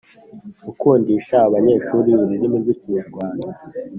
gukundisha abanyeshuri ururimi rw’Ikinyarwanda